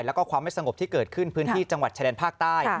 แล้วก็ความไม่สงบที่เกิดขึ้นพื้นที่จังหวัดชายแดนภาคใต้